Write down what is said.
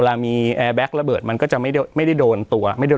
ล่ามีแอร์แบคระเบิดมันก็จะไม่ได้ไม่ได้โดนตัวไม่ได้